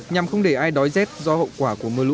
nhằm không để ai đói rét do hậu quả của mưa lũ